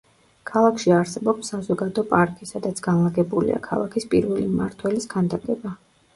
ქალაქში არსებობს საზოგადო პარკი, სადაც განლაგებულია ქალაქის პირველი მმართველის ქანდაკება.